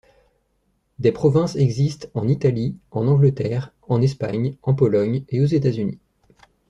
Des provinces existent en Italie, en Angleterre, en Espagne, en Pologne et aux États-Unis.